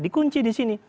dikunci di sini